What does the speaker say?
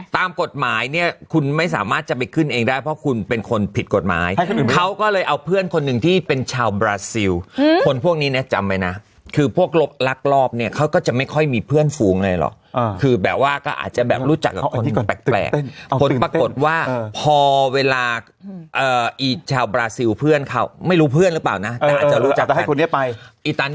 ตามกฎหมายเนี่ยคุณไม่สามารถจะไปขึ้นเองได้เพราะคุณเป็นคนผิดกฎหมายเขาก็เลยเอาเพื่อนคนหนึ่งที่เป็นชาวบราซิลคนพวกนี้นะจำไว้นะคือพวกลบลักลอบเนี่ยเขาก็จะไม่ค่อยมีเพื่อนฝูงอะไรหรอกคือแบบว่าก็อาจจะแบบรู้จักกับคนที่แปลกผลปรากฏว่าพอเวลาอีชาวบราซิลเพื่อนเขาไม่รู้เพื่อนหรือเปล่านะแต่อาจจะรู้จัก